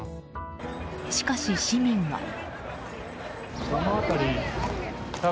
しかし、市民は。